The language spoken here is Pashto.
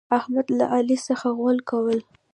احمد له علي څخه غول کول.